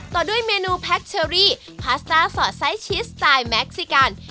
ต่อด้วยเมนูแพ็คเชอรี่พาสต้าสอดไซส์ชิสสไตล์แม็กซิกัน